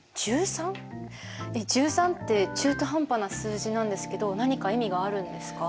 １３って中途半端な数字なんですけど何か意味があるんですか？